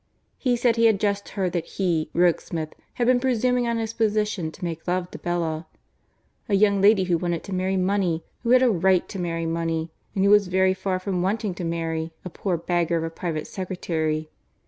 He said he had just heard that he, Rokesmith, had been presuming on his position to make love to Bella a young lady who wanted to marry money, who had a right to marry money, and who was very far from wanting to marry a poor beggar of a private secretary!